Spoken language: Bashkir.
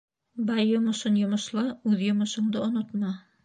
Бай йомошон йомошла, үҙ йомошоңдо онотма.